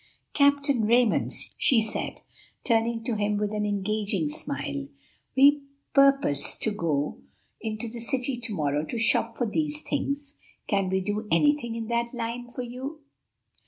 "Captain Raymond," she said, turning to him with an engaging smile, "we purpose to go into the city to morrow to shop for these things; can we do anything in that line for you?"